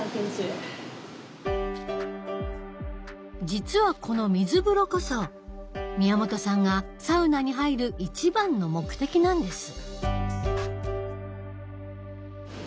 実はこの水風呂こそ宮本さんがサウナに入る一番の目的なんです。